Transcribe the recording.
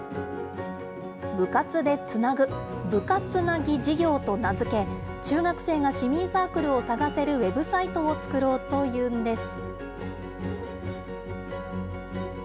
部活でつなぐ、ぶかつなぎ事業と名付け、中学生が市民サークルを探せるウェブサイトを作ろうというんです。